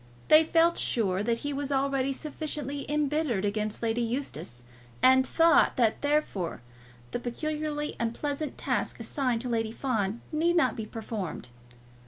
They felt sure that he was already sufficiently embittered against Lady Eustace, and thought that therefore the peculiarly unpleasant task assigned to Lady Fawn need not be performed.